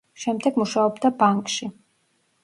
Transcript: შემდეგ მუშაობდა ბანკში.